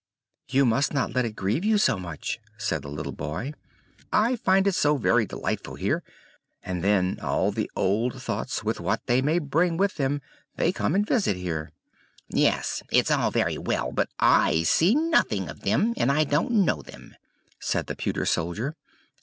"You must not let it grieve you so much," said the little boy. "I find it so very delightful here, and then all the old thoughts, with what they may bring with them, they come and visit here." "Yes, it's all very well, but I see nothing of them, and I don't know them!" said the pewter soldier.